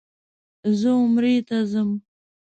زه عمرې ته ځم.